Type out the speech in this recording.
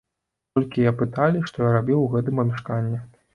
Толькі апыталі, што я рабіў у гэтым памяшканні.